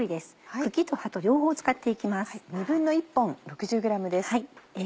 茎と葉と両方使って行きます。